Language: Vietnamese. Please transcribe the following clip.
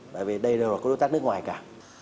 bởi vì đây đâu có đối tác nước ngoài cả